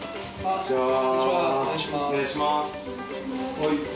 ・こんにちは。